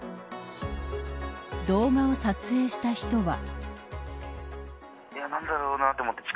動画を撮影した人は。